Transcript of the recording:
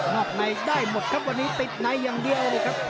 อกในได้หมดครับวันนี้ติดในอย่างเดียวเลยครับ